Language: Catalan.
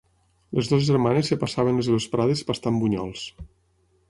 Les dues germanes es passaven les vesprades pastant bunyols.